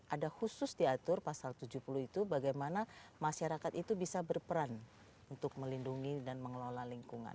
ada khusus diatur pasal tujuh puluh itu bagaimana masyarakat itu bisa berperan untuk melindungi dan mengelola lingkungan